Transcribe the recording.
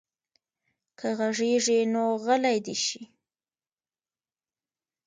که غږېږي نو غلی دې شي.